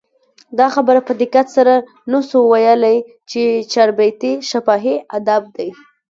دا خبره په دقت سره نه سو ویلي، چي چاربیتې شفاهي ادب دئ.